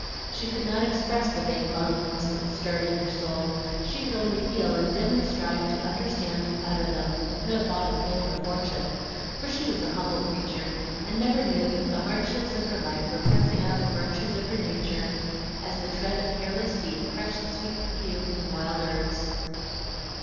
She could not express the vague longings that stirred in her soul; she could only feel and dimly strive to understand and utter them, with no thought of fame or fortune, for she was a humble creature, and never knew that the hardships of her life were pressing out the virtues of her nature as the tread of careless feet crush the sweet perfume from wild herbs.